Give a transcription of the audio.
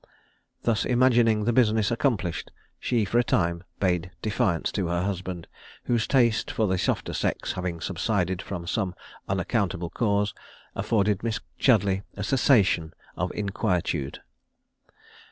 Thus imagining the business accomplished, she for a time bade defiance to her husband, whose taste for the softer sex having subsided from some unaccountable cause, afforded Miss Chudleigh a cessation of inquietude.